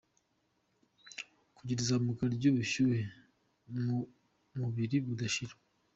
Kugira izamuka ry’ubushyuhe mu mubiri budashira.